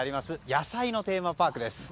野菜のテーマパークです。